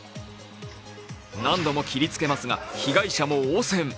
何度も切りつけますが被害者も応戦。